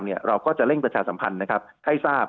เราก็จะเร่งประชาสัมพันธ์ให้ทราบ